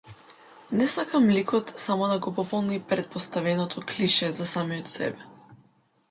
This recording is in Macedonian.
Не сакам ликот само да го пополни претпоставеното клише за самиот себе.